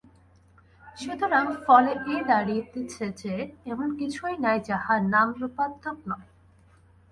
সুতরাং ফলে এই দাঁড়াইতেছে যে, এমন কিছুই নাই, যাহা নামরূপাত্মক নয়।